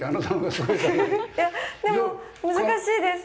でも難しいです。